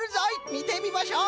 みてみましょう！